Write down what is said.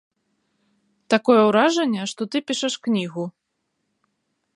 Такое ўражанне, што ты пішаш кнігу.